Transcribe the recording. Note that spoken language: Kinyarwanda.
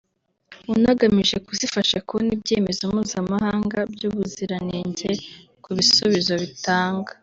unagamije kuzifasha kubona ibyemezo mpuzamahanga by’ubuziranenge ku bisubizo bitanga